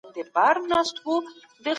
په جرګه کي د حق پلوي کول د ایمان نښه ده.